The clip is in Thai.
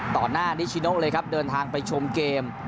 ต่อหน้านิชิโนเลยครับเดินทางไปชมเกม